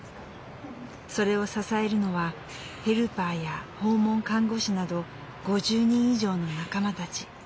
それを支えるのはヘルパーや訪問看護師など５０人以上の仲間たち。